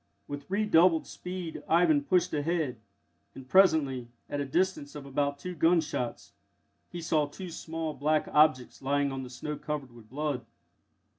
With redoubled speed Ivan pushed ahead, and, presently, at a distance of about two gunshots, he saw two small black objects lying on the snow covered with blood.